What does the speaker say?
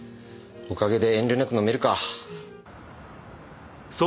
おかげで遠慮なく飲めるか。